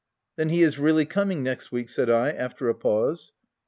* Then he is really coming next week ?* J said I, after a pause.